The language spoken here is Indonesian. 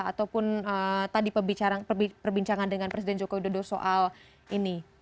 ataupun tadi perbincangan dengan presiden joko widodo soal ini